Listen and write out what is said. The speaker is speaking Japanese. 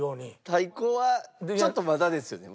太鼓はちょっとまだですよね。